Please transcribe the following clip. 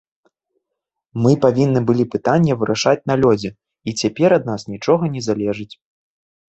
Мы павінны былі пытанне вырашаць на лёдзе, і цяпер ад нас нічога не залежыць.